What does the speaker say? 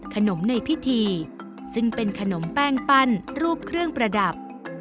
ขนมในพิธีซึ่งเป็นขนมแป้งปั้นรูปเครื่องประดับ